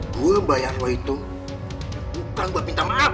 gue bayar lo itu bukan gue minta maaf